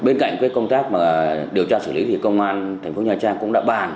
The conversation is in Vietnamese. bên cạnh công tác điều tra xử lý công an tp nha trang cũng đã bàn